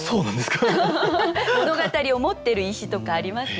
物語を持ってる石とかあります。